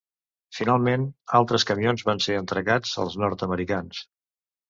Finalment, altres camions van ser entregats als nord-americans.